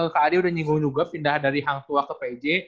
kak adi udah nyinggung juga pindah dari hang tua ke pj